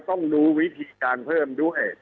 ต้องรู้วิธีการเพิ่มด้วย